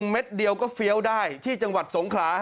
เม็ดเดียวก็เฟี้ยวได้ที่จังหวัดสงขลา